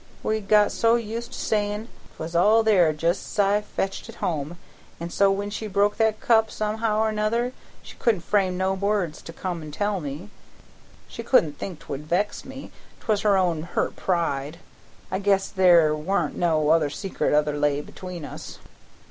We'd got so used to sayin' 'twas all there just's I fetched it home, an' so when she broke that cup somehow or 'nother she couldn't frame no words to come an' tell me. She couldn't think 'twould vex me, 'twas her own hurt pride. I guess there wa'n't no other secret ever lay between us."